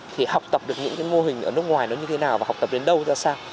thì học tập được những cái mô hình ở nước ngoài nó như thế nào và học tập đến đâu ra sao